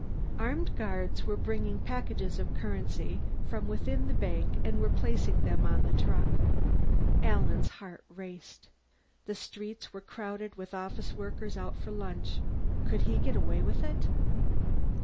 Armed guards were bringing packages of currency from within the bank and were placing them on the truck. Alan's heart raced. The streets were crowded with office workers out for lunch; could he get away with it?